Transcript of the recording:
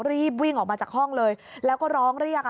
รีบวิ่งออกมาจากห้องเลยแล้วก็ร้องเรียกอ่ะ